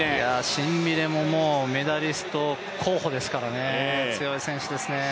シンビネもメダリスト候補ですから、強い選手ですね。